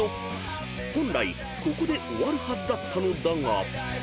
［本来ここで終わるはずだったのだが］